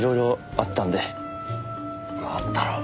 あったろう。